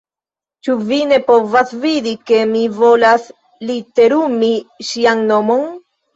Ĉu vi ne povas vidi, ke mi volas literumi ŝian nomon?